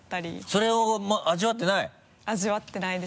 それを味わってない？